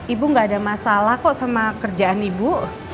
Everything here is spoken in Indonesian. ibu gak ada masalah kok sama kerjaan ibu